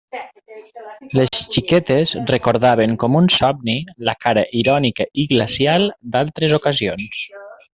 Les xiquetes recordaven com un somni la cara irònica i glacial d'altres ocasions.